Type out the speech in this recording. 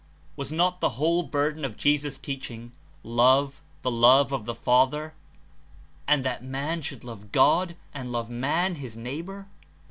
Was not the whole burden of Jesus' teaching — Love, the love of the Father? And 10 that man should love God and love man, his neigh bor?